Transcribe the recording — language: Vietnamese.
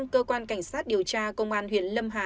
cơ quan cảnh sát điều tra công an huyện lâm hà